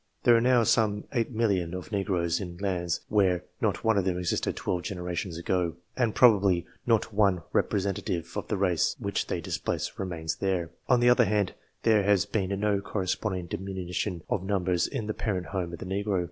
There are now some 8,000,000 of Negroes in lands where not one of them existed twelve generations ago, and prob ably not one representative of the race which they displaced remains there ; on the other hand, there has been no corresponding diminution of numbers in the parent home of the Negro.